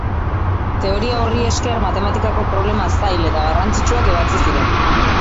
Teoria horri esker, matematikako problema zail eta garrantzitsuak ebatzi ziren.